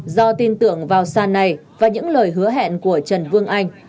do tin tưởng vào sàn này và những lời hứa hẹn của trần vương anh